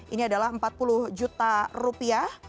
ini adalah empat puluh juta rupiah